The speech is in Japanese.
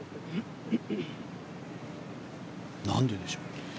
何ででしょう？